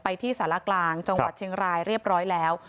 ที่สารกลางจังหวัดเชียงรายเรียบร้อยแล้ว